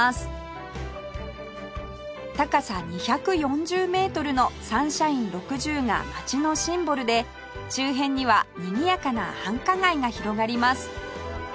高さ２４０メートルのサンシャイン６０が街のシンボルで周辺にはにぎやかな繁華街が広がります